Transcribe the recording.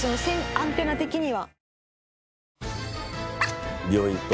アンテナ的には。